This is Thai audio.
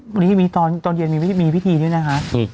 วันนี้จะมีตอนเย็นมีพิธีด้วยนะคะ